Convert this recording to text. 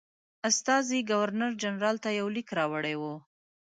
استازي ګورنرجنرال ته یو لیک راوړی وو.